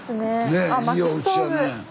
ねえいいおうちやね。